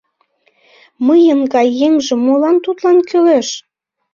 Мыйын гай еҥже молан Тудлан кӱлеш?